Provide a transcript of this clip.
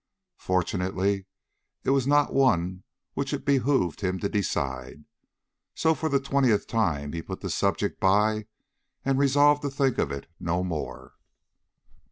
'" Fortunately, it was not one which it behooved him to decide. So, for the twentieth time, he put the subject by and resolved to think of it no more.